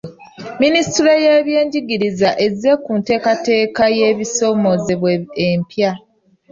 Minisitule y'ebyenjigiriza ezze ku nteekateeka y'ebisomesebwa empya.